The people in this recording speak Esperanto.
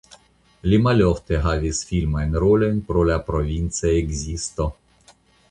Li malofte havis filmajn rolojn pro la provinca ekzisto.